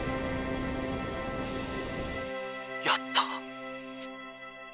やった！